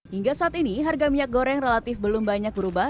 hingga saat ini harga minyak goreng relatif belum banyak berubah